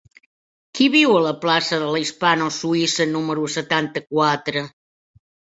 Qui viu a la plaça de la Hispano Suïssa número setanta-quatre?